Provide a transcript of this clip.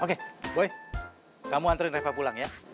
oke boy kamu anterin reva pulang ya